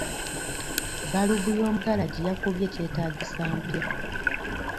Balubu y'omu ggalagi yakubye kyetaagisa mpya.